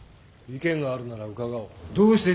意見があるなら伺おう。